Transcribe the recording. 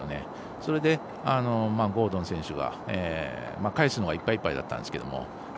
それで、ゴードン選手が返すのがいっぱいいっぱいだったんですが。